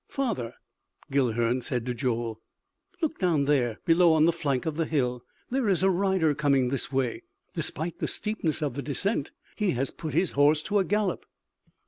"Father," Guilhern said to Joel, "look down there below on the flank of the hill. There is a rider coming this way. Despite the steepness of the descent, he has put his horse to a gallop."